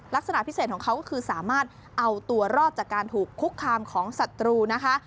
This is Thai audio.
ลักษณะพิเศษของเขาก็คือสามารถเอาตัวรอดจากการถูกคุกคามของศัตรูนะคะ